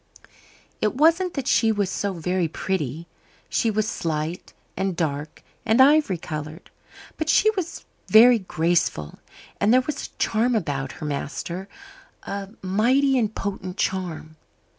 It wasn't that she was so very pretty. She was slight and dark and ivory coloured. But she was very graceful, and there was a charm about her, master a mighty and potent charm.